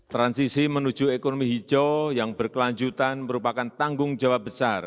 transisi menuju ekonomi hijau yang berkelanjutan merupakan tanggung jawab besar